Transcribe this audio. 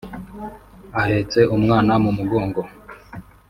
ahetse umwana mu mugongo